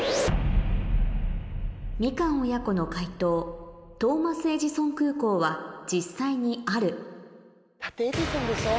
みかん親子の解答「トーマス・エジソン空港」は実際にあるだってエジソンでしょ。